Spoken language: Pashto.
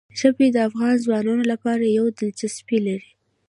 ژبې د افغان ځوانانو لپاره یوه دلچسپي لري.